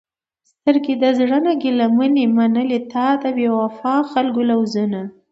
سترګې د زړه نه ګېله منې، منلې تا د بې وفاء خلکو لوظونه